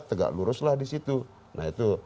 tegak luruslah di situ nah itu